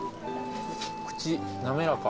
口滑らか。